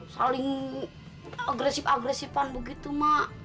saling agresif agresifan begitu mak